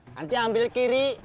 nanti ambil kiri